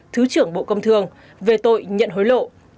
thứ trưởng bộ công thương về tội nhận hối lộ